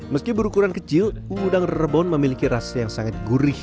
meski berukuran kecil udang rebon memiliki rasa yang sangat gurih